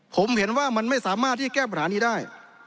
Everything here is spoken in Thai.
ผมเห็นว่ามันไม่สามารถที่แก้ปัญหานี้ได้